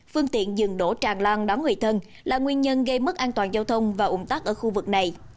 phương tiện dừng đỗ tràn lan đón người thân là nguyên nhân gây mất an toàn giao thông và ủng tắc ở khu vực này